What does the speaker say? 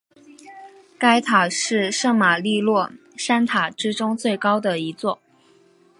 该塔是圣马利诺三塔之中最高的一座。